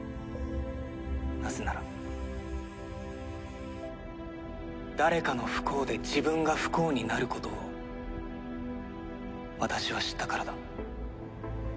「なぜなら誰かの不幸で自分が不幸になることを私は知ったからだ」